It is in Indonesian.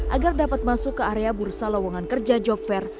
agar dapat masuk ke area bursa lawangan kerja jokver